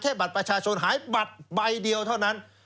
บัตรประชาชนหายบัตรใบเดียวเท่านั้น